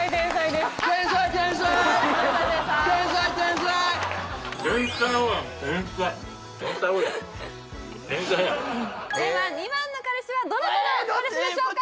ですでは２番の彼氏はどなたの彼氏でしょうか？